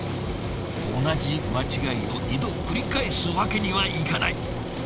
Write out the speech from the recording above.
同じ間違いを二度繰り返すわけにはいかない。